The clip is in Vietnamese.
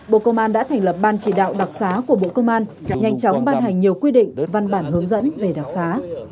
bộ công an đã thành lập ban chỉ đạo đặc xá của bộ công an nhanh chóng ban hành nhiều quy định văn bản hướng dẫn về đặc xá